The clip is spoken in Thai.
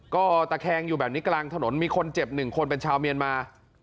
ก็ตะแคงอยู่แบบนี้กลางถนนมีคนเจ็บ๑คนเป็นชาวเมียนมา